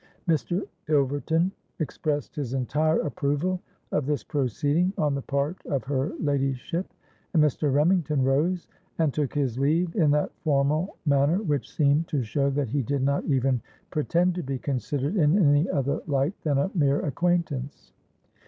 '—Mr. Ilverton expressed his entire approval of this proceeding on the part of her ladyship; and Mr. Remington rose, and took his leave in that formal manner which seemed to show that he did not even pretend to be considered in any other light than a mere acquaintance.